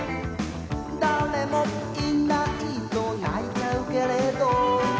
「だれもいないとないちゃうけれど」